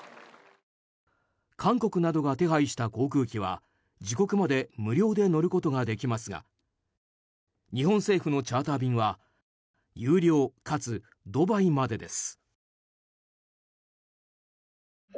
韓国などが手配した航空機は自国まで無料で乗ることができますが日本政府のチャーター便は有料かつドバイまでです。